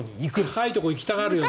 高いところに行きたがるよね。